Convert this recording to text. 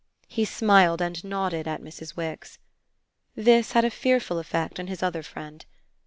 He smiled and nodded at Mrs. Wix. This had a fearful effect on his other friend.